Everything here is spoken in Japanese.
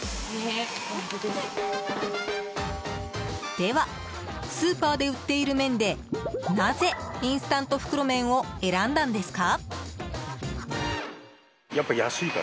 では、スーパーで売っている麺でなぜ、インスタント袋麺を選んだんですか？